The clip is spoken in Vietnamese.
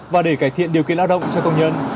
và để cải thiện điều kiện lao động cho công nhân